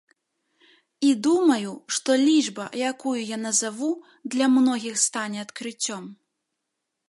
І, думаю, што лічба, якую я назаву, для многіх стане адкрыццём.